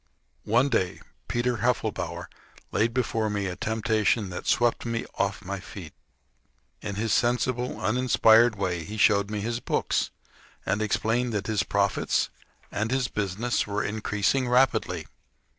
One day Peter Heffelbower laid before me a temptation that swept me off my feet. In his sensible, uninspired way he showed me his books, and explained that his profits and his business were increasing rapidly.